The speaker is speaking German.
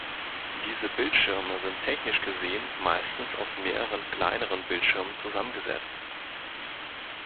Diese Bildschirme sind technisch gesehen meistens aus mehreren kleineren Bildschirmen zusammengesetzt.